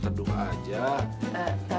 terima kasih obat ya